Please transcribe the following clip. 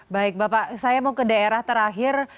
baik bapak saya mau ke daerah terakhir